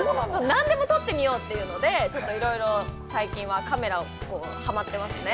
◆何でも撮ってみようということでいろいろ最近はカメラをはまってますね。